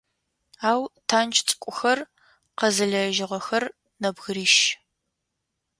Ау тандж цӏыкӏухэр къэзылэжьыгъэхэр нэбгырищ.